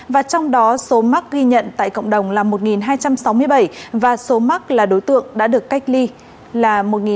và trong đó số mắc ghi nhận tại cộng đồng là một hai trăm sáu mươi bảy và số mắc là đối tượng đã được cách ly là một hai trăm linh bảy